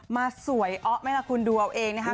มาสวยอ๊ะแม่งของคุณดัวอังเองนะคะ